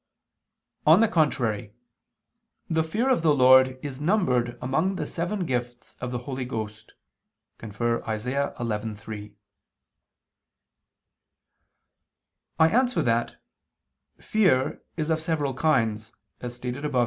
On the contrary, The fear of the Lord is numbered among the seven gifts of the Holy Ghost (Isa. 11:3). I answer that, Fear is of several kinds, as stated above (A.